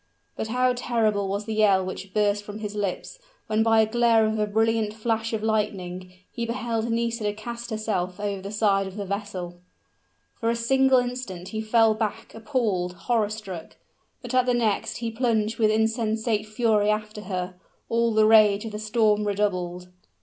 But how terrible was the yell which burst from his lips, when by the glare of a brilliant flash of lightning, he beheld Nisida cast herself over the side of the vessel! For a single instant he fell back appalled, horror struck; but at the next, he plunged with insensate fury after her. And the rage of the storm redoubled.